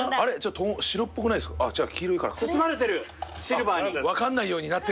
包まれてるシルバーに。